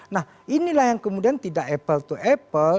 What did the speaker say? nah inilah yang kemudian tidak apple to apple